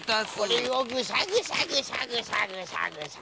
これをぐしゃぐしゃぐしゃぐしゃぐしゃぐしゃ。